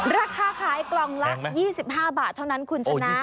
ราคาขายกล่องละ๒๕บาทเท่านั้นคุณชนะ